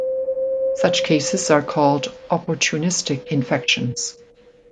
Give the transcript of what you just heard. Such cases are called opportunistic infections.